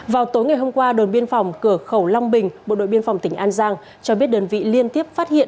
vào tối ngày hôm qua đồn biên phòng cửa khẩu long bình bộ đội biên phòng tỉnh an giang cho biết đơn vị liên tiếp phát hiện